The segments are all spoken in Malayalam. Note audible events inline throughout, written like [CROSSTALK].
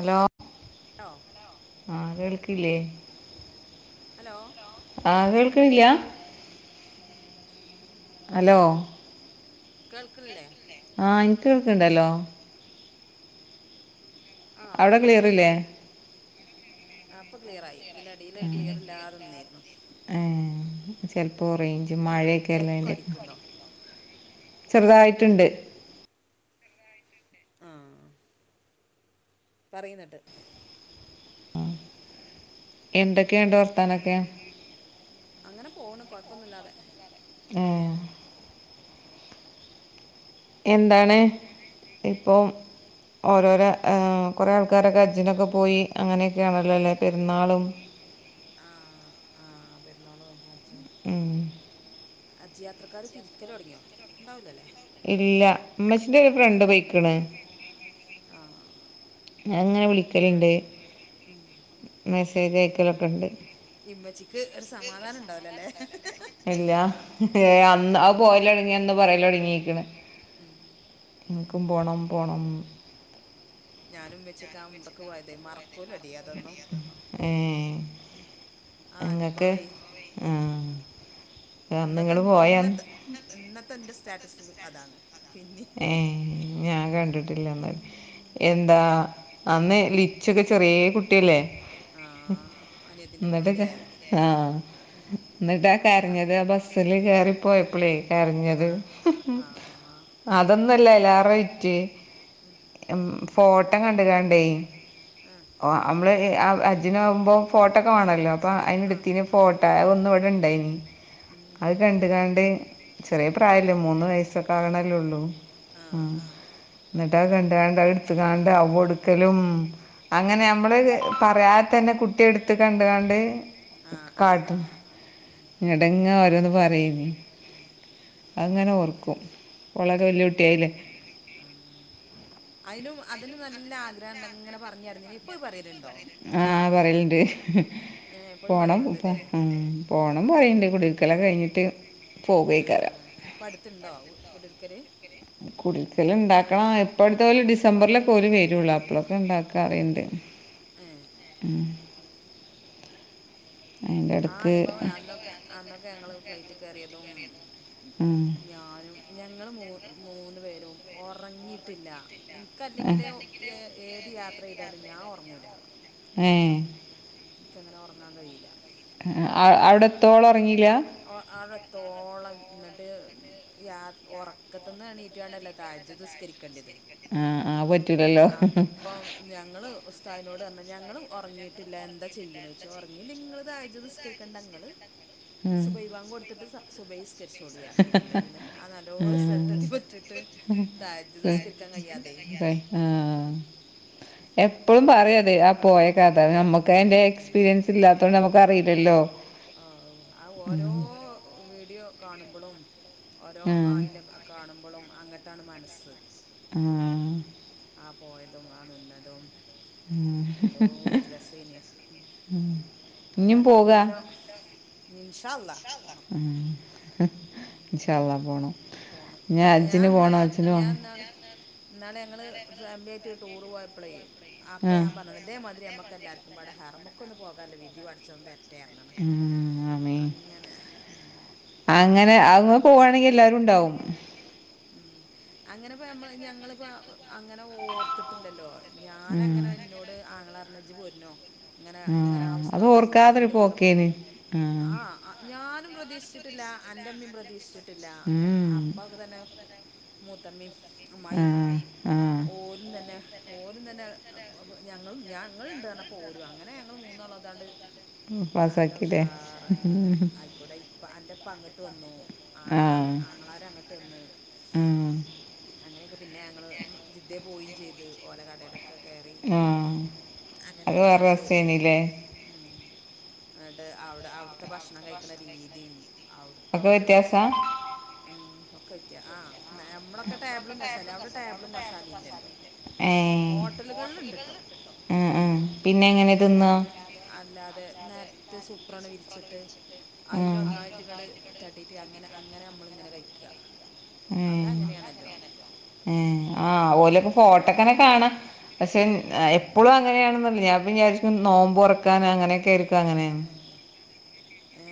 അലോ ലോ ആഹ്‌ കേൾക്കില്ല്യേ ഹലോ ആഹ്‌ കേൾക്കിനില്ലാ ഹലോ കേൾക്ക്ൾല്യേ ആഹ്‌ ഇൻക്ക് കേൾക്ക്ണ്ടല്ലോ ഹലോ ആഹ്‌ അവിടെ പറി ക്ലിയറില്ലേ അവിടെ ക്ലിയർ ഇല്ലേ. ആഹ് ഇപ്പം ക്ലിയർ ആയി ഇതിന്റടിലൊരു ക്ലിയറില്ലാതെ നിന്നിരുന്നു ഏഹ് ചെൽപ്പോ റേഞ്ച് എന്താ മഴെക്കല്ലേ എക്കോ അല്ലേ‌യ് അടിക്കുന്നുണ്ടോ ചെറ്തായിട്ട്ണ്ട് ആഹ്‌ പറയ്ന്നട്ട് എന്തൊക്കെ യുണ്ട് വർത്താനൊക്കെ അങ്ങന പോണ് കൊഴപ്പൊന്നുല്ലാതെ ഏഹ് എന്താണ് ഇപ്പോം ഓരോരെ ഏഹ് കൊറേ ആൾക്കാരൊക്കെ ഹജ്ജിനൊക്കെ പോയി അങ്ങനെയൊക്കെയാണല്ലൊലെ പെര്ന്നാളും ആഹ് ആഹ് പെരുന്നാളും ഹജ്ജും ഉം ഹജ്ജ് യാത്രക്കാര് തിരിക്കലൊട്ങ്ങിയോ ഇണ്ടാവൂലലേ ഇല്ലാ ഇമ്മച്ചിന്റെ ഒരു ഫ്രണ്ട് പൊയിക്ക്ന് ആഹ് അഹ് ഇങ്ങെനെ വിളിക്കലിണ്ട് മെസ്സേജ് അയക്കലൊക്കെ ഇണ്ട് ഇമ്മച്ചിക്ക് ഒരു സമാധാനം ഇണ്ടാവൂല്ലലേ ഇല്ല ഹേ അന്ന് ആ പോവല് തൊടൻങ്ങിയന്ന് പറയലോടങ്ങിക്കിണ് ഇൻക്കും പോണം പോണം ഞാനും ഇമ്മിച്ചിയൊക്കെ ഉംറക്ക് പോയതെയ് മറക്കൂലടി അതൊന്നും ഏ ആഹ് നിങ്ങൾക്ക് അനുഭവേയ് ആ അന്ന് ഇന്നത്തെ നിങ്ങൾ പോയാന്ന് ഇൻന്നത്തെ ഇന്നത്തെ ഇൻ്റെ സ്റ്റാറ്റസ് അതാണ് പിന്നിം ഏഹ് ഞാൻ കണ്ടിട്ടില്ലന്നാല് എന്താ അന്ന് ലിച്ചൊക്കെ ചെറേ കുട്ടിയല്ലേ ആഹ് ഇന്നട്ടൊക്കെ ആഹ് ഇന്നട്ടാ കരഞ്ഞത് ആ ബസ്സില് കേറി പോയപ്പളേയ് കരഞ്ഞത് ആഹ് അതൊന്നുംല്ല അയ്ലാറ വിറ്റ് [INAUDIBLE] എമ് ഫോട്ടം കണ്ടികാണ്ടേയ് ആഹ് ഓ നമ്മള് ഹജ്ജിന് ആവുമ്പോ ഫോട്ടോ ഒക്കെ വേണല്ലോ അപ്പൊ അയിന് എടുത്തിന് ഫോട്ടോ ഒന്ന ഇവിടെ ഇണ്ടായിനി ഉം രണ്ട കാണ്ടേ ചെറിയ പ്രായമല്ലേ മൂന്ന് വയസ്സക്കെ ആണല്ലേള്ളൂ ആ ഉഉം എന്നിട്ടാ കണ്ട കണ്ട എടുത്ത കണ്ട അവ എടുക്കലും അങ്ങനെ നമ്മള് പറയാതെ തന്നെ കുട്ടി എടുത്ത് കണ്ട് കണ്ട് ആ ആ ആ കാട്ടുന്നു ഞെടങ്ങാ വരോന്ന് പറയനി അങ്ങനെ ഓർക്കും ഓലക്കെ വല്ലിയ കുട്ടിയായില്ലേ ആ. അതിനും അതിനന് നല്ല ആഗ്രഹം ഉണ്ടങ്ങനെ പറഞ്ഞായിരരുന്നു ഇപ്പൊ പറയലുണ്ടോ ആഹ് പറയലുണ്ട് ഏ എപ്പോഴും പോണം പറയലുണ്ട് അല്ലേ ഇപ്പം ആ പോകണം പറയണ്ട് കുടക്കല കഴിഞ്ഞിട്ട് പോകയക്കരാം ഇപ്പ പടുത്തുണ്ടോ കുടക്കര് [INAUDIBLE] കുടുക്കൽ ഉണ്ടാക്കണം എപ്പോഴത്തെ പോലും ഡിസംബറിലേക്ക പോല വരുള്ളൂ അപ്പോഴൊക്കെ ഉണ്ടാക്കാ അറിയണ്ട്േ ഏയ് ഉം അതിൻ്റെ ആ ഇടക്ക് അനുഭവ അന്നൊക്കെ അന്നൊക്കെ ഞങ്ങള് ഫ്ലൈറ്റ്ിൽ കയറിയതും ഉം ഞാനും ഞങ്ങൾ മ മൂന്ന് പേരും ഉറങ്ങിയിട്ടില്ല എനിക്കല്ലെങ്കിൽ എ ഏത് യാത്ര ചെയ്താലും ഞാൻ ഉറങ്ങൂില്ല ഏയ് എനിക്കങ്ങനെ ഉറങ്ങാൻ കഴിയില്ല അ അവിടെ എത്തോളം ഉറങ്ങില്ല അ അടെത്തോളം എന്നിട്ട് യാ ഉറക്കത്തിുന്ന് എണീറ്റ് വേണ്ടല്ലോ താജ്ദസ്കരിക്കേണ്ടത് ആഹ് ആഹ് പറ്റുലല്ലോ ഞങ്ങൾ ഉസ്താവിനോട് പറഞ്ഞാൽ ഞങ്ങൾ ഉറങ്ങിയിട്ടില്ല എന്താ ചെയ്യണന്ന് ചെച്ചാ ഉറങ്ങിയി ലങ്കി നിങ്ങള് തജ്ജുത്ത് നിസ്കാരി കണ്ട നിങ്ങള് ഉം സുബൈ പാങ് കൊടുത്തിട്ട് സുബൈസ്കരിച്ച്ൊടിയറ അല്ല എന്തൽ ആ നല്ലോ ഉം സ്ഥലത്തെത്തി പൊറ്റിയിട്ട് തജ്ജുത്ത് നിസ്കരിക്കാൻ കയ്യാതെയ്യായി ആഹ് എപ്പോഴും പറയാതെ ആ പോയക്കഥ നമ്മുക്ക് നമുക്ക് എൻ്റെ എക്്പീരിയൻസ് ഇല്ലാത്തുകൊണ്ട് നമുക്കറിയില്ലോ ആഹ് ഓ ഓരോ വീഡിയോ കാണുമ്പോഴും ഓരോ ആഹ് അയിറെ കാണുമ്പോഴും അങ്ങോട്ടാണ് മനസ്സ് ആഹ് ആ പോയതും ആ നിന്നതും ഉം എന്തോ രെസയിന്. [UNINTELLIGIBLE] ഇഞ്ഞും പോക അതെല്ലാം. നിൻഷ അള്ളാ പോണം. ഉം ഉ ഇൻഷാ അള്ളാ പോണം അത് പോണം. ഞാൻ ഹജ്ജിന് പോണം ഇന്നള് ഹജ്ജിന് പോണം ഞാൻന്നാള് ഇന്നാള് ഞങ്ങള് ഫാമിലിയായിട്ട് ഒരു ടൂറ് പോയപ്പ്ളെ അപ്പോ ആഹ് ഞാൻ പറഞ്ഞാണ് ദേ ഇതേമാതിരി നമക്ക് എല്ലാവര്ക്കും നമ്മടെ ഹറ്മക്ക്‌ ഒന്ന് പോകാല്ലോ വിധി പടച്ചൊന്റെ റ്റേർണണ് ഉം ആമേ അങ്ങനെ. അങ്ങനെ അങ്ങ് പോവുവാണെങ്കിൽ എല്ലാരും ഉണ്ടാവും. മ അങ്ങനെ ഇപ്പ നമ്മള് ഞങ്ങളിപ്പോ അങ്ങനെ ഓർത്തിട്ട് ട്ടില്ലല്ലോ ഞാന ഉം അങ്ങനെ എന്നോട് ആങ്ങള റഞ്ഞു ഇജ് പോരുന്നോ? ഇങ്ങനെ അങ്ങനെ ആ ഉം അത് ഉസ്താദ് പോകുന്നുണ്ട്. ഓർക്കാതൊരു അതിൻ്റെ കൂടെ പോക്കേന് പോകണം. ആഹ് ആ ആ ഞാനും പ്രതീക്ഷിച്ചിട്ടില്ല. എൻറമ്മയും പ്രതീക്ഷിച്ചിട്ടില്ല പതുവ് തന്നെ മൂത്തമ്മി ഉം അമ്മായിം ആഹ് ആഹ് ഓരും തന്നെ. ഓരും തന്നെ ഞങ്ങള് ഞങ്ങ ഉണ്ട് നറഞ്ഞപ്പോൾ ഓരും അങ്ങനെ ഞങ്ങൾ മൂന്നാളു ദാണ്ട് നല്ല പാസാക്കില്ലേ ഉഷാറായി. ആയിക്കോട്ടെ ഇപ്പൊ അന്റെ ഉപ്പ അങ്ങിട്ട് വന്നു. ആങ്ങള ആഹ് ആങ്ങളാര് അങ്ങ് ട്ട് വന്ന് ഉം അങ്ങനെയൊക്കെ. പിന്നെ ഞങ്ങ ജിദ്ദ പോയെം ചെയ്ത് ഓലെ കടയിലൊക്കെ കേറി ആഹ് അത് അങ്ങനെയൊക്കെ വേറെ ചെയ്തു. രസേനില്ലേ ഉം എന്നിട്ട് അവിടെ അവിടുത്തെ ഭക്ഷണം കഴിക്കണ രീതിയും അവിടുത്തെ ഒക്കെ ഓരോ വ്യത്യാസാ ഒക്കെ വെയ്ക്ക. ആ നമ്മളൊക്കെ ടേബിളും കസാല. അവിടെ ടേബിളും കസാലയും ഇല്ലല്ലോ. ഹോട്ടലുകളിലുണ്ട് ഇണ്ട്‌ട്ടോ. ഉ ഉ പിന്നെ എങ്ങനെ തിന്ന്കാ? അല്ലാതെ നേരത്ത് സൂപ്പറാണ് വിരിച്ചിട്ട് അതില് അതിന്റെ ഒന്നായിട്ട് ഇങ്ങട് തട്ടിട്ട് അ അങ്ങനെ അമ്മള് ഇങ്ങനെ കഴിക്ക. അവിടെ അങ്ങനെയാണല്ലോ? ഉ ആ ഓലപ്പ ഫോട്ടോക്കനെ കാണ്. പക്ഷെ എപ്പോഴും അങ്ങനെയാണെന്ന ഞാൻപ്പം വിചാരിക്കു നോമ്പ് തുറക്കാന് അങ്ങനെയൊക്കെ ആയിരിക്കു അങ്ങനെന്ന്. ഏ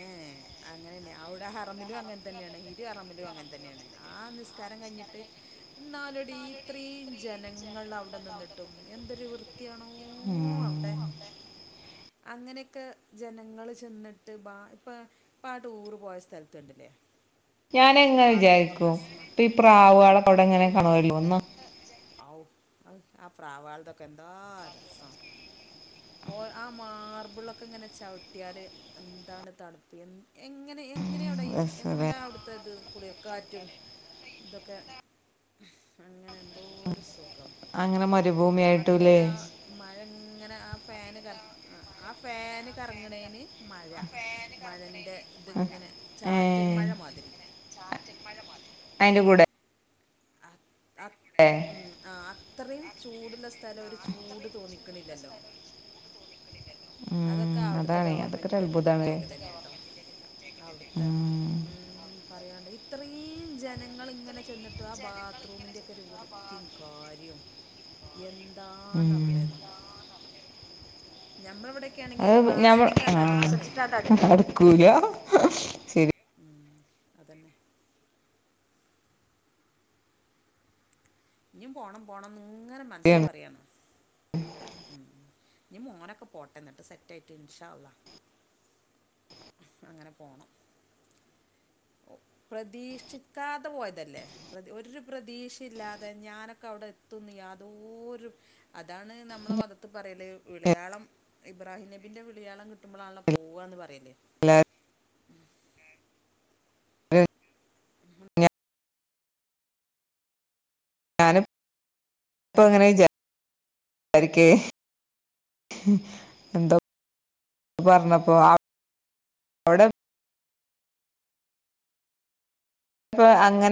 അങ്ങനെ തന്നെയാ അവിടെ ഹറമിലും അങ്ങനെ തന്നെയാണ് ഹിദ ഹറമിലും അങ്ങനെ തന്നെയാണ്. ആ നിസ്കാരം കഴിഞ്ഞിട്ട് എന്നാലെടി ഇത്രേം ജനങ്ങൾ അവിടെ നിന്നിട്ടും എന്തൊരു വൃത്തി വൃത്തിയാണോ അവിടെ. വൃത്തിയാണോ അങ്ങനെയൊക്കെ ജനങ്ങള് ചെന്നിട്ട്, ഇപ്പ ടൂർ പോയ സ്ഥലത്തു കണ്ടില്ലേ ഞാന ഇങ്ങനെ വിചാരിക്കും സ്മ ഇപ്പൊ ഈ പ്രാവുകളെ അവിടെ എങ്ങനെ ഔ കാണുല്ലോന്ന് ഔ അ ആ പ്രാവുകൾക്കൊക്കെ എന്താ രസം. ഓ ആ മാർബിളൊക്കെ ഇങ്ങനെ ചവിട്ടിയാല് എന്താണ് തണുപ്പ് എങ്ങനെ എങ്ങനെയ അവിടെ രസല്ലേ എന്താണ് അവിടുത്തെ തത് ഇത് കുളിർ ക്കാറ്റും ഇതൊക്കെ അങ്ങനെ എന്തോരു സുഖോ ഖം. അങ്ങനെ മരുഭൂമിയായിട്ടൂല്ലേ മദീനാത്താ മഴ ഇങ്ങനെ ആ ഫാന് കറങ്ങ് ആ ഫാന് കറങ്ങാണെന് മഴ മഴൻ്റെ ഇതിങ്ങനെ ചാറ്റൽ മഴ മാതിരി ചാറ്റൽ മഴ മാതിരി അയിന്റെ കൂടെ. അ ഉ മ്മ് ആ അത്രേം ചൂടുള്ള സ്ഥലം ഒരു ചൂട് തോന്നിക്കണില്ലല്ലോ. അതൊക്കെ ഉം അവിടുത്തെ അതാണ് അതൊക്കെ ഗവണ്മെന്റിന്റെ ഒരു അത്ഭുതാണ് പ്രത്യേകത തന്നാട്ടോ. അവിടുത്തെ തന്നെയാണ് ഉം പറയണ്ട ഇത്രയും ജനങ്ങൾ ഇങ്ങനെ ചെന്നിട്ട് ആ ബാത്റൂമിന്റെറെ ഒക്കെ ഒരു വൃത്തിയും കാര്യവും ഉം ഉം എന്താണവിടെനോ ഞമ്മളെവിടൊക്കെണെങ്കി അത് വാസനിച്ചിട്ട് അടുക്കാൻ കഴിയൂല നിക്കൂല ഹ് അതന്നെ ഇഞ്ഞും പോണം പോണംന്ന് ഇങ്ങനെ മനസ്സ് ശരിയാണ് പറയാണ് ഇഞ് മോനൊക്കെ പോട്ടന്നിട്ട് സെറ്റ് ആയിട്ട് ഇൻഷള്ള അങ്ങനെ പോണം ഒ പ്രതീക്ഷിക്കാതെ പോയതല്ലേ ഒരു പ്രതീഷയില്ലാതെ ഞാനൊക്കെ അവിടെ എത്തുന്ന യാതോ ഒരു അതാണ് നമ്മളെ മതത്തി പറയല് വിളയാളം ഇബ്രാഹിംനബിന്റെ വിളി യാളം കിട്ടുമ്പോളാളല്ലോ പോവുകാന്ന് പറയല് അല്ല ഞാന് പ്പ ഇങ്ങനെ വിചാരിക്കേ എന്തോ പറഞ്ഞപ്പോ അവ്ടെ പ്പൊ അങ്ങനെ